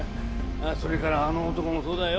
あっそれからあの男もそうだよ。